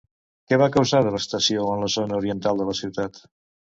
Què va causar devastació en la zona oriental de la ciutat?